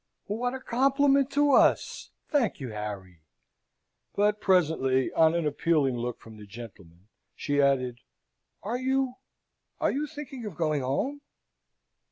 "What a compliment to us! Thank you, Harry!" But presently, on an appealing look from the gentleman, she added, "Are you are you thinking of going home?"